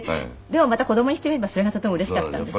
でもまた子供にしてみればそれがとてもうれしかったんでしょ？